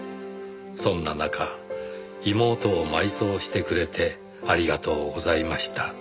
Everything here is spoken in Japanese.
「そんな中妹をまいそうしてくれてありがとうございました」